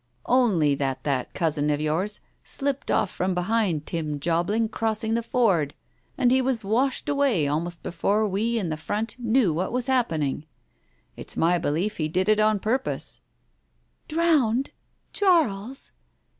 "Only that that cousin of yours slipped off from be hind Tim Jobling crossing the ford, and was washed away almost before we in the front knew what was happening. It's my belief he did it on purpose." "Drowned! Charles!"